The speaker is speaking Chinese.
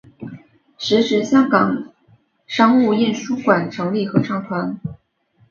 时值香港商务印书馆成立合唱团。